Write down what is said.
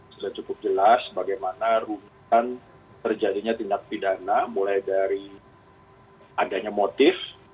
sudah cukup jelas bagaimana rumusan terjadinya tindak pidana mulai dari adanya motif